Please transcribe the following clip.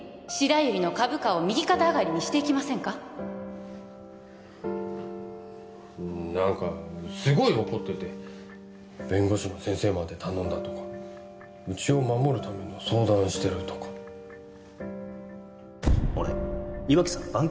白百合の株価を右肩上がりにしていきませんかなんかすごい怒ってて弁護士の先生まで頼んだとかうちを守るための相談してるとか俺岩城さん